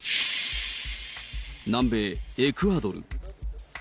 南米エクアドル。